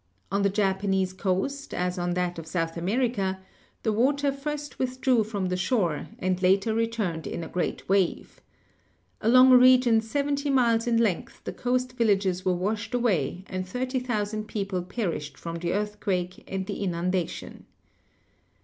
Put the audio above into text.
On the Japanese coast, as on that of South America, the water first withdrew from the shore, and later returned in a great wave. Along a region seventy miles in length the coast villages were washed away, and 30,000 people perished from the earth quake and the inundation.